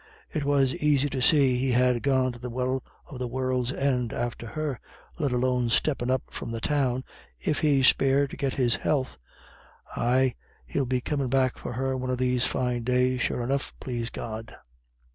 It was aisy to see he'd ha' gone to the Well of the World's End after her, let alone steppin' up from the Town, if he's spared to get his health. Ay, he'll be comin' back for her one of these fine days, sure enough, plase God."